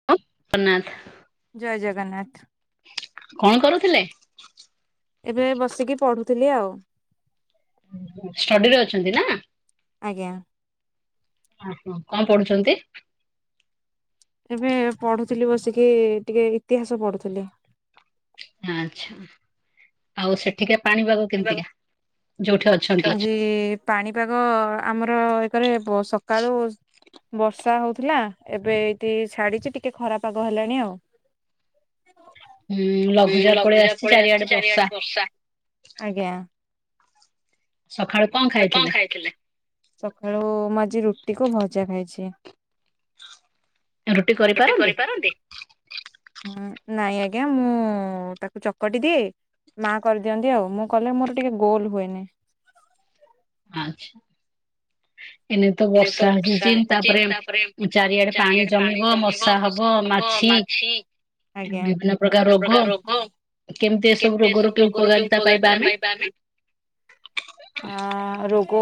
[unintelligible] ଜୟ ଜଗନ୍ନାଥ। କଣ କରୁଥିଲେ? ଏବେ ବସିକି ପଢୁଥିଲି ଆଉ। ଓହୋ ଷ୍ଟଡି ରେ ଅଛନ୍ତି ନା? ଆଜ୍ଞା। ଓହୋ। କଣ ପଢୁଛନ୍ତି? ଏବେ ପଢୁଥିଲି ବସିକି ଟିକେ ଇତିହାସ ପଢୁଥିଲି। ଆଚ୍ଛା। ଆଉ ସେଠିକା ପାଣିପାଗ କେମତିକା? ଯୋଉଠି ଅଛନ୍ତି? ଏ ପାଣିପାଗ ଆମର ଏକ୍ ରେ ସକାଳୁ ବର୍ଷା ହଉଥିଲା ଏବେ ଏଇଠି ଛାଡିଛି ଟିକେ ଖରା ପାଗ ହେଲାଣି ଆଉ। ଏଇ ଲଘୁଚାପ ପଳେଇ ଆସିଛି ଚାରିଆଡେ ବର୍ଷା। ଆଜ୍ଞା। ସଖାଳୁ କଣ? କଣ ଖାଇଥିଲେ? ସଖାଳୁ ମୁଁ ଆଜି ରୁଟି କୁ ଭଜା ଖାଇଛି। ରୁଟି କରିପାରନ୍ତି? [unintelligible] ନାଇଁ ଆଜ୍ଞା ମୁଁ ତାକୁ ଚକଟି ଦିଏ ମା କରିଦିଅନ୍ତି ଆଉ। ମୁଁ କଲେ ମୋର ଟିକେ ଗୋଲ ହୁଏନି। ଆଚ୍ଛା। ଏନେ ତ ବର୍ଷା ସିଜିନ୍ ତାପରେ ଚାରିଆଡେ ପାଣି ଜମିବ ମଶା ହବ ମାଛି ଆଜ୍ଞା। କେତେ ପ୍ରକାର ରୋଗ? କେମିତି ଏସବୁ ରୋଗରୁ କେଉଁ ଉପକାରିତା ପାଇବା ଆମେ? ଅ ରୋଗ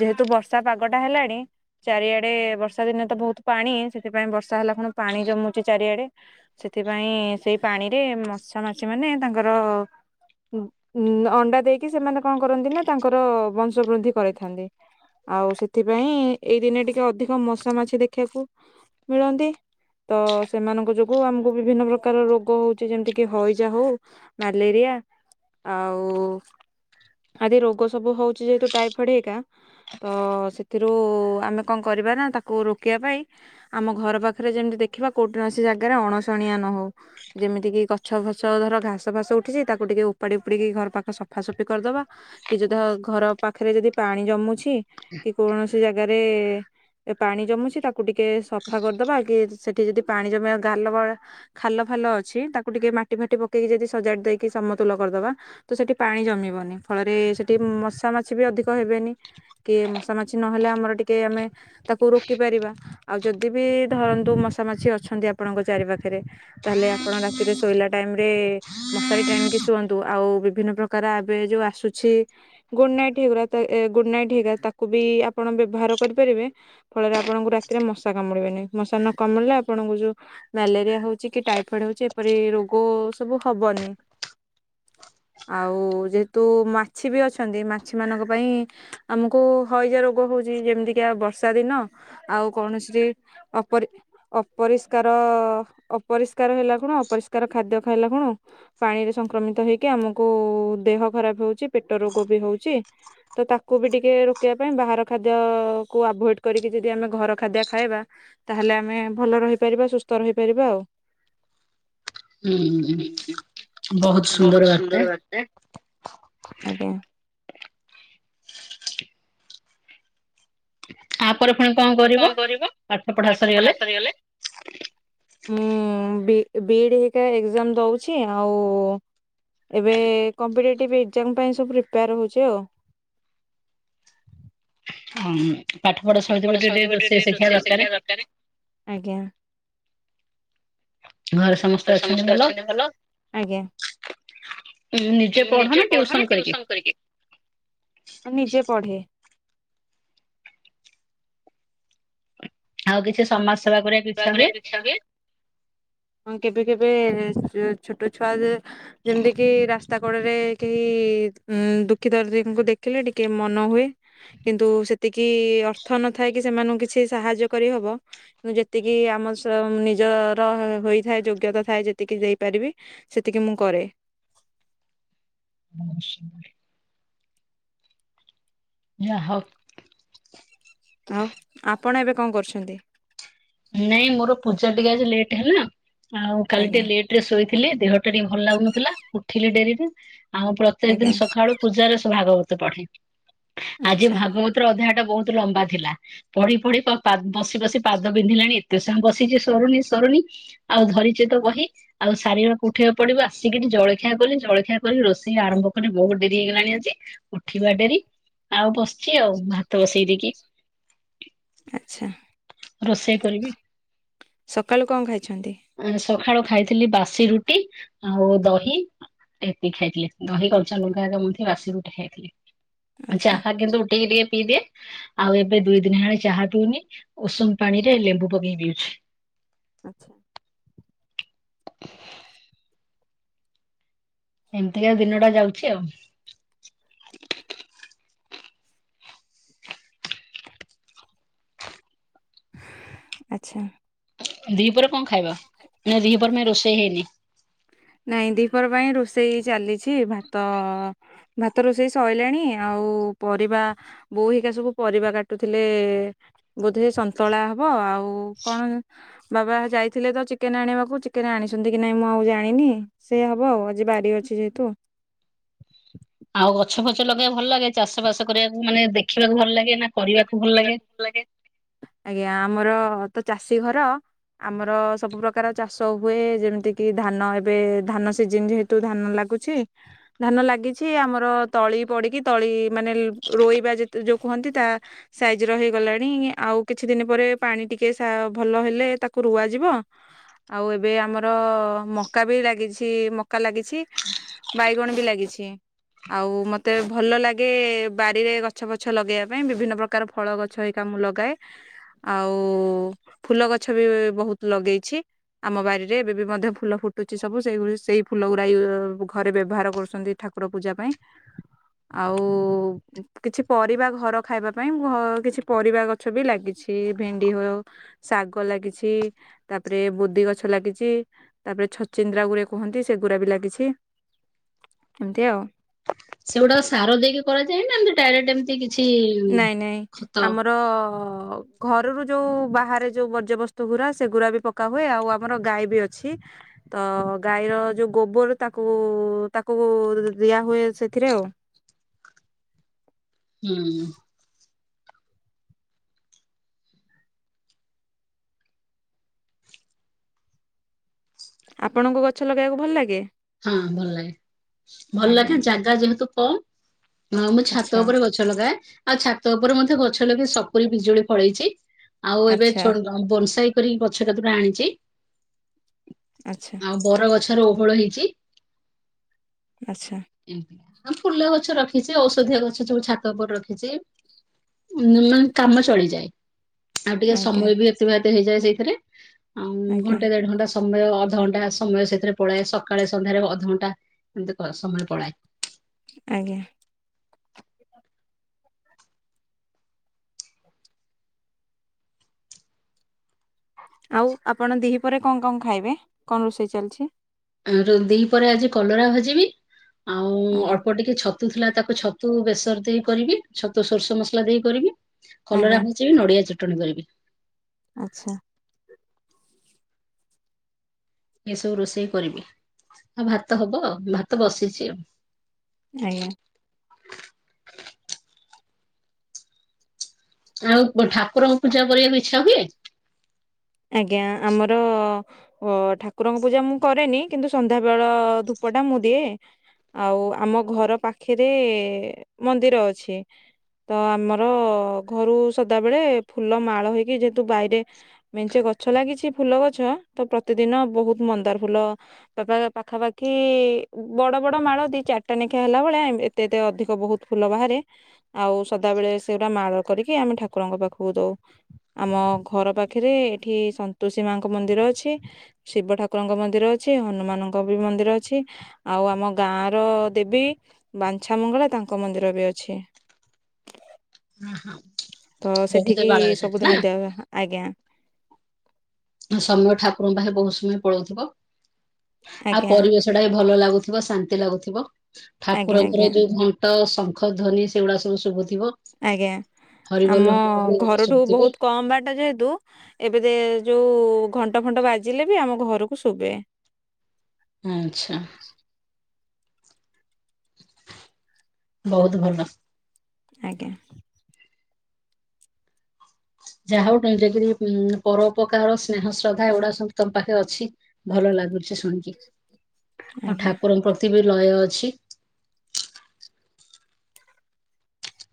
ଯେହେତୁ ବର୍ଷା ପାଗ ଗଟା, ହେଲାଣି ଚାରିଆଡେ ବର୍ଷା ଦିନେ ତ ବୋହୁତ୍ ପାଣି ସେଥିପାଇଁ ବର୍ଷା ହେଲା ଖୁଣୁ ପୁଣି ଜମୁଛିି ଚାରିଆଡେ। ସେଥିପାଇଁ ସେଇ ପାଣିରେ ମଛା ମାଛି ମାନେ ତାଙ୍କର-' ଅଣ୍ଡା ଦେଇକି ସେମାନେ କଣ କରନ୍ତି ନା ତାଙ୍କର ବଂଶ ବୃଦ୍ଧି କରାଇଥାନ୍ତି। ଆଉ ସେଥିପାଇଁ ଏଇ ଦିନେ ଟିକେ ଅଧିକ ମସା ମାଛି ଦେଖିବାକୁ ମିଳନ୍ତି। ତ ସେମାନଙ୍କ ଯୋଗୁ ଆମକୁ ବିଭିନ୍ନ ପ୍ରକାର ରୋଗ ହଉଛି ଯେମିତିକି ହଇଜା ହଉ ମଲେରିଆ ଆଉ ଆଦି ରୋଗ ସବୁ ହଉଛି ଯେହେତୁ ଟାଇଫଏଡ୍ ହେରିକା, ତ ସେଥିରୁ ଆମେ କଣ କରିବା ନା ତାକୁ ରୋକିବା ପାଇଁ ଆମ ଘର ପାଖରେ ଯେମିତି ଦେଖିବା କୋଉଟିର ସେ ଜାଗାରେ ଅଣସଣିଆ ନହଉ। ଯେମିତିକିି ଗଛ ଫଛ ଧର ଘାସ ଫାସ ଉଠିଛି ତାକୁ ଟିକେ ଉପାଡି ଉପୁଡିକି ଘର ପାଖ ସଫାସଫି କରିଦବା। କି ଯୁଧ ଘର ପାଖରେ ଯଦି ପାଣି ଜମୁଛି କି କୌଣସି ଜାଗାରେ ଏ ପାଣି ଜମୁଛି ତାକୁ ଟିକେ ସଫା କରିଦବା କି ସେଠି ଯଦି ପାଣି ଜମିବା ଗାଲ ଭଳି ଖାଲ ଫାଲ ଅଛି ତାକୁ ଟିକେ ମାଟି ଫାଟି ପକେଇକି ଯଦି ସଜାଡି ଦେଇକି ସମତୁଲ କରିଦବା। ତ ସେଠି ପାଣି ଜମିବନି। ଫଳରେ ସେଠି ମଶା ମାଛି ବି ଅଧିକ ହେବେନି। କିଏ ମସ୍ ମଶା ମାଛି ନହେଲେ ଆମର ଟିକେ ଆମେ ତାକୁ ରୋକିପାରିବା। ଆଉ ଯଦି ବି ଧରନ୍ତୁ ମଶା ମାଛି ଅଛନ୍ତି ଆପଣଙ୍କ ଚାରି ପାଖରେ ତାହେଲେ ଆପଣ ରାତିରେ ଶୋଇଲା ଟାଇମ୍ ରେ ମଶାରୀ ଟାଣିକି ଶୁଅନ୍ତୁ ଆଉ ବିଭିନ୍ନ ପ୍ରକାର ଆବେ ଯୋଉ ଆସୁଛି ଗୁଡ୍ ନାଇଟ୍ ହେଇଗୋରା ତ ଏ ଗୁଡ୍ ନାଇଟ୍ ହେଇରା ତାକୁ ବି ଆପଣ ବ୍ୟବହାର କରିପାରିବେ। ଫଳରେ ଆପଣଙ୍କୁ ରାତିରେ ମଶା କାମୁଡ଼ିବେନି। ମଶା ନ କାମୁଡ଼ିଲେ ଆପଣଙ୍କୁ ଯୋଉ ମ୍ୟାଲେରିଆ ହଉଛି କି ଟାଇଫଏଡ୍ ହଉଛି ଏପରି ରୋଗ ସବୁ ହବନି। ଆଉ ଯେହେତୁ ମାଛି ବି ଅଛନ୍ତି ମାଛିମାନଙ୍କ ପାଇଁ ଆମକୁ ହଇଜା ରୋଗ ହଉଛି। ଯେମିତିକିଆ ବର୍ଷା ଦିନ ଆଉ କୌଣସି ଅପରି ଅପରିଷ୍କାର, ଅପରିଷ୍କାର ହେଲା କଣ ଅପରିଷ୍କାର ଖାଦ୍ୟ ଖାଇଲେ କଣ ପାଣିରେ ସଂକ୍ରମିତ ହେଇକି ଆମକୁ ଦେହ ଖରାପ ହଉଚି ପେଟ ରୋଗ ବି ହଉଚି। ତ ତାକୁ ବି ଟିକେ ବା ପାଇଁ ବାହାର ଖାଦ୍ୟକୁ ଆଭୋଏଡ୍ କରିକି ଯଦି ଆମେ ଘର ଖାଦ୍ୟ ଖାଇବା ତାହେଲେ ଆମେ ଭଲ ରହିପାରିବା, ସୁସ୍ଥ ରହିପାରିବା ଆଉ। ହୁଁ ହୁଁ, ବହୁତ ସୁନ୍ଦର ବାର୍ତ୍ତା, ଆଜ୍ଞା। ଆପରେ ପୁଣି କଣ କ କଣ କରିବ, ପାଠ ପଢା ସରିଗଲେ? ମୁଁ ବି, ବି ଇ ଡି ହେରିକା ଏକଜାମ୍ ଦଉଛି, ଆଉ ଏବେ କମ୍ପିଟେଟିଭ୍ ଏକ୍ଜାମ ପାଇଁ ସବୁ ପ୍ରିପେୟାର ହଉଚି ଆଉ। ହୁଁ, ପାଠ ପଢା ସହିତ ବି ଟିକେ ଟିକେ ରୋଷେଇ ଶିଖିବା ଦରକାର। ଆଜ୍ଞା। ସମସ୍ତେ ଅଛନ୍ତି ଭଲ? ଆଜ୍ଞା। ନିଜେ ପଢ ନା ଟ୍ୟୁସନ୍ କରିକି? ହଁ ନିଜେ ପଢେ। ଆଉ କିଛି ସମାଜ ସେବା ଉପରେ। ତାପରେ [unintelligible] ହଁ କେବେ କେବେ ଛୋଟ ଛୁଆ ଯେ ଯେମିତିକି ରାସ୍ ସ୍ତା କଡରେ କେହି ଉଁ ଦୁଃଖୀ ଦର୍ଦୀଙ୍କୁ ଦେଖିଲେ ଟିକେ ମନ ହୁଏ, କିନ୍ତୁ ସେତିକି ଅର୍ଥ ନଥାଏ କି ସେମାନଙ୍କୁ କିଛି ସାହାଯ୍ୟ କରିହବ, ଯେ ଯେତିକି ଆମସ୍ଵ, ନିଜର ହୋଇଥାଏ, ଯୋଗ୍ୟତା ଥାଏ ଯେତିକି ଦେଇପାରିବି, ସେତିକି ମୁଁ କରେ। [unintelligible] ଯା ହଉ। ଆଉ, ଆପଣ ଏବେ କଣ କରୁଛନ୍ତି? ନାଇଁ ମୋର ପୂଜା ଟିକେ ଆଜି ଲେଟ୍ ହେଲା, ଆଉ କାଲି ଟିକେ ଆଜ୍ଞା ଲେଟ୍ [unintelligible] ଶୋଇଥିଲି, ଦେହଟା ଟିକେ ଭଲ ଲାଗୁନଥିଲା, ଉଠିଲି ଡେରିରେ, ଆଉ ପ୍ରତ୍ୟେକ ଦିନ ଆଜ୍ଞା ସକାଳୁ ପୂଜାରେ ସବୁ ଭାଗବତ ପଢେ, ଆଜି ଆଚ୍ଛା ଭାଗବତ ପୁରା ଅଧ୍ୟାୟଟା ବହୁତ ଲମ୍ବା ଥିଲା, ପଢି ପଢି ପ ପାଦ ବସି ବସି ପାଦ ବିନ୍ଧିଲାଣି ଏତେ ସମୟ ବସିଚି ସରୁନି ସରୁନି, ଆଉ ଧରିଚେ ତ ବହି ଆଉ ସାରିବାକୁ ଉଠେଆକୁ ପଡିବ, ଆସିକିରି ଜଳଖିଆ କଲି, ଜଳଖିଆ କରି ରୋଷେଇ ଆରମ୍ଭ କରି ବହୁତ ଡେରି ହେଇଗଲାଣି ଆଜି ଉଠିବା ଡେରି, ଆଉ ବସିଚି ଆଉ, ଭାତ ବସେଇ ଦେଇକି। ଆଚ୍ଛା। ରୋଷେଇ କରିବି। ସକାଳୁ କଣ ଖାଇଛନ୍ତି ସକାଳୁ ଖାଇଥିଲି ବାସି ରୁଟି ଆଉ ଦହି, ଏତିକି ଖାଇଥିଲି। ଦହି, କଞ୍ଚା ଲଙ୍କା ହେରିକା ମନ୍ଥି ବାସି ରୁଟି ଖାଇଥିଲି। ଆଚ୍ଛା ଚାହା କିନ୍ତୁ ଉଠିକି ଟିକେ ପିଇଦିଏ, ଆଉ ଏବେ ଦୁଇ ଦିନି ହେଲାଣି ଚାହା ପିଇନି, ଉଷୁମ ପାଣିରେ ଲେମ୍ବୁ ପକେଇ ପିଉଛି। ଆଚ୍ଛା। ଏମିତିକା ଦିନଟା ଯାଉଚି ଆଉ। ଆଚ୍ଛା। ଦି ପରେ କଣ ଖାଇବ? ନା ଦି ପର ପାଇଁ ରୋଷେଇ ହେଇନି? ନାଇଁ, ଦିପର ପାଇଁ ରୋଷେଇ ଚାଲିଚି, ଭାତ ଭାତ ରୋଷେଇ ସଇଲାଣି, ଆଉ ପରିବା ବୋଉ ହେରିକା ସବୁ ପରିବା କାଟୁଥିଲେ, ବୋଧେ ସନ୍ତୁଳା ହବ, ଆଉ କଣ ବାବା ଯାଇଥିଲେ ତ ଚିକେନ ଆଣିବାକୁ, ଚିକେନ ଆଣିଛନ୍ତି କି ନାଇଁ ମୁଁ ଆଉ ଜାଣିନି, ସେଇଆ ହବ ଆଉ, ଆଜି ବାରି ଅଛି ଯେହେତୁ। ଆଉ ଗଛ ଫଛ ଲଗେଇବାକୁ ଭଲ ଲାଗେ? ଚାଷ ବାସ କରିବାକୁ, ମାନେ ଦେଖିବାକୁ ଭଲ ଲାଗେ ନା କରିବାକୁ [inaudible] ଭଲ ଲାଗେ? ଆଜ୍ଞା ଆମର ତ ଚାଷୀ ଘର। ଆମର ସବୁ ପ୍ରକାର ଚାଷ ହୁଏ ଯେମିତି କି ଧାନ ଏବେ ଧାନ ସିଜନ ଯେହେତ୍ ଠୁ ଧାନ ଲାଗୁଛି। ଧାନ ଲାଗିଛି ଆମର ତଳି ପଡିକି ତଳି ମାନେ ରୋଇବା ଯେତେ ଯୋଉ କୁହନ୍ତି ତା ସାଇଜ ର ହେଇଗଲାଣି ଆଉ କିଛି ଦିନ ପରେ ପାଣି ଟିକେ ସା ଭଲ ହେଲେ ତାକୁ ରୁଆଯିବ। ଆଉ ଏବେ ଆମର ମକା ବି ଲାଗିଛି ମକା ଲାଗିଛି। ବାଇଗଣ ବି ଲାଗିଛି। ଆଉ ମତେ ଭଲ ଲାଗେ ବାଡ଼ିରେ ଗଛ ପଛ ଲଗେଇବା ପାଇଁ ବିଭିନ୍ନ ପ୍ରକାର ଫଳ ଗଛ ହେକା ମୁଁ ଲଗାଏ। ଆଉ ଫୁଲ ଗଛ ବି ବହୁତ ଲଗେଇଛି। ଆମ ବାରିରେ ଏବେ ବି ମଧ୍ୟ ଫୁଲ ଫୁଟୁଛି ସବୁ ସେ ସେଇ ଫୁଲ ଗୁରା ଏଘରେ ବ୍ୟବହାର କରୁଛନ୍ତି ଠାକୁ ଠାକୁର ପୂଜା ପାଇଁ ଆଉ କିଛି ପରିବା ଘର ଖାଇବା ପାଇଁ ଘ କିଛି ପରିବା ଗଛ ବି ଲାଗିଛି ଭେଣ୍ଡି ହଉ ଶାଗ ଲାଗିଛି ତାପରେ ବୋଦି ଗଛ ଲାଗିଛି। ତାପରେ ଛଚିନ୍ଦ୍ରା ଗୁରା କୁହନ୍ତି ସେ ଗୁଡ଼ା ବି ଲାଗିଛି ଏମତି ଆଉ। ସେଗୁଡାକ ସାର ଦେଇକି କରାଯାଏ ନା ଏମତି ଡାଇରେକ୍ଟ ଏମିତି କିଛି ଖତ? ତ ଘରରୁ ଯୋଉ ବାହାରେ ଯୋଉ ବର୍ଜ୍ୟବସ୍ତୁ ଗୁରା ସେଗୁରାକ ପ ପକା ହୁଏ ଆଉ ଆମର ଗାଈ ବି ଅଛି। ତ ଗାଈର ଯୋଉ ଗୋବର ତାକୁ ତାକୁ ଦିଆ ହୁଏ ସେଥିରେ ଆଉ। ହୁଁ। ଆପଣଙ୍କୁ ଗଛ ଲଗେଇବାକୁ ଭଲ ଲାଗେ? ହଁ ଭଲ ଲାଗେ ଭଲ ଲାଗେ ଆଜ୍ଞା ଜାଗା ଯେହେତୁ କମ୍ ମୁଁ ଆମ ଆଚ୍ଛା ଛାତ ଉପରେ ଗ ଗଛ ଲଗାଏ ଆଉ ଛାତ ଉପରେ ମଧ୍ୟ ଗଛ ଲଗେଇ ସପୁରି ବିଜୁଳି ଫଳେଇଛି। ଆଉ ଏବେ ଆଚ୍ଛା ଛୋ ବଂସାଇ କରିକି ଗଛ କେତୋଟା ଆଣିଛି। ଆଚ୍ଛା। ଆଉ ବର ଗଛର ଓହଳ ହେଇଛି। ଆଚ୍ଛା। ଏମିତି ଫୁଲ ଗଛ ରଖିଛି ଆଉ ଔଷଧିଆ ଗଛ ସବୁ ଛାତ ଉପରେ ରଖିଛି। ମାନେ କାମ ଚଳିଯାଏ ଆଉ ଟିକେ ଆଜ୍ଞା ସମୟ ବି ଅତିବାହିତ ହେଇଯାଏ ସେଇଥିରେ। ଆଉ ଆଜ୍ଞା ଘଣ୍ଟେ ଦେଢ ଘଣ୍ଟା ସମୟ ଅଧଘଣ୍ଟା ସମୟ ସେଥିରେ ପଳାଏ ସକା ସକାଳେ ସନ୍ଧ୍ୟାରେ ଅଧଘଣ୍ଟା ଏମିତି ସମୟ ପଳାଏ। ଆଜ୍ଞା। ଆଉ ଆପଣ ଦିହି ପହରେ କଣ କଣ ଖାଇବେ କଣ ରୋଷେଇ ଚାଲିଛି? ଆ ଦି ପରେ ଆଜି କଲରା ଭାଜିବି ଆଉ ଆଜ୍ଞା ଅଳ୍ପ ଟିକେ ଛତ ଛତୁ ଥିଲା ତାକୁ ଛତୁ ବେସର ଦେଇ କରିବି ଛତୁ ସୋରିଷ ମସଲା ଦେଇ କରିବି। ଆଜ୍ଞା କଲରା ଭାଜିବି ନଡିଆ ଚଟଣି କରିବି। ଆଚ୍ଛା ଏସବୁ ରୋଷେଇ କରିବି ଆଉ ଭାତ ହବ ଭାତ ବସିଛି ଆଉ। ଆଜ୍ଞା ଆଉ କଣ ଠାକୁରଙ୍କ ପୂଜା କରିବାକୁ ଇଚ୍ଛା ହୁଏ।।? ଆଜ୍ଞା ଆମର ଓ ଠାକୁରଙ୍କ ପୂଜା ମୁଁ କରେନି କିନ୍ତୁ ସନ୍ଧ୍ୟା ବେଳ ଧୂପଟା ମୁଁ ଦିଏ। ଆଉ ଆମ ଘର ପାଖରେ ମନ୍ଦିର ଅଛି। ତ ଆମର ଘରୁ ସଦାବେେଳେ ଫୁଲ ମାଳ ହେଇକି ଯେହେତୁ ବାଇରେ ମେଞ୍ଚେ ଗଛ ଲାଗିଛି ଫୁଲ ଗଛ ତ ପ୍ରତିଦିନ ବହୁତ ମନ୍ଦାର ଫୁଲ ପ ପା ପାଖାପାଖି ବଡ ବଡ ମାଳ ଦି ଚାରିଟା ନେଖା ହେଲା ଭଳିଆ ଏ ଏତେ ଏତେ ଅଧିକ ବହୁତ ଫୁଲ ବାହାରେ ଆଉ ସଦାବେଳେ ସେରା ମାଳ କରିକି ଆମେ ଠାକୁରଙ୍କ ପାଖକୁ ଦଉ ଆମ ଘର ପାଖ ପାଖରେ ଏଠି ସନ୍ତୋଷୀ ମାଁଙ୍କ ମନ୍ଦିର ଅଛି। ଶିବ ଠାକୁରଙ୍କ ମନ୍ଦିର ଅଛି, ହନୁମାନଙ୍କ ବି ମନ୍ଦିର ଅଛି। ଆଉ ଆମ ଗାଁର ଦେବୀ ବାଞ୍ଛା ମଙ୍ଗଳା ତାଙ୍କ ମନ୍ଦିର ବି ଅଛି। ତ ବହୁତ ସେଠିକି ଦେବାଳୟ ସେଠି ସବୁଦିନ ନା ଦିଆହୁଏ, ଆଜ୍ଞା। ସମୟ ଠାକୁରଙ୍କ ପାଖରେ ବହୁତ ସମୟ ପଳଉଥିବ। ଆଉ ଆଜ୍ଞା ପରିବେଶ ଟା ବି ଭଲ ଲାଗୁଥିବ ଶାନ୍ତି ଲାଗୁଥିବ ଆଜ୍ଞା ଆଜ୍ଞା ଠାକୁରଙ୍କର ଯୋଉ ଘ ଣ୍ଟ ଶଙ୍ଖ ଧ୍ୱନି ସେଗୁଡା ସବୁ ଶୁବୁଥିବ। ଆଜ୍ଞା ଆମ ଏଗୁଡା ଘରଠୁ ଶୁଭୁଥିବ ବହୁତ କମ୍ ବାଟ ଯେହେତୁ ଏବେ ଦେ ଯୋଉ ଘଣ୍ଟ ଫଣ୍ଟ ବାଜିଲେ ବି ଆମ ଘରକୁ ଶୁବେ। ଆଚ୍ଛା। ବହୁତ ଭଲ। ଆଜ୍ଞା। ଯାହା ହଉ [inaudible] କରି ପରୋଉପକାର ସ୍ନେହ ଶ୍ରଦ୍ଧା ଏଗୁଡା ସବୁ ତମ ପାଖରେ ଅଛି। ଭଲ ଲାଗୁଛି ଶୁଣିକି ଆଉ ଆଜ୍ଞା ଠାକୁରଙ୍କ ପ୍ରତି ବି ଲୟ ଅଛି।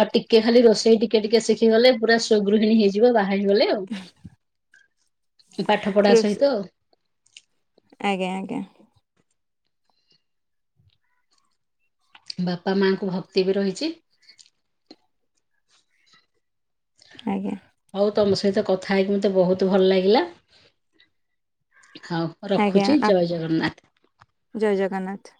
ଆଉ ଟିକେ ଖାଲି ରୋଷେଇ ଟିକେ ଟିକେ ଶିଖି ଗଲେ ପୁରା ସୁଗୃହିଣୀ ହେଇଯିବ ବାହାହେଇଗଲେ ଆଉ। ପାଠ ପଢା ରୋଷେ ସହିତ ଆଜ୍ଞା ଆଜ୍ଞା। ବାପା ମାଆଙ୍କୁ ଭକ୍ତି ବି ରହିଛି। ଆଜ୍ଞା। ଆଉ ତମ ସହିତ କଥା ହେଇକି ମତେ ବହୁତ ଭଲ ଲାଗିଲା, ହଉ। ଆଜ୍ଞା ରଖୁଛି ଜୟ ଆପ୍ ଜଗନ୍ନାଥ। ଜୟ ଜଗନ୍ନାଥ।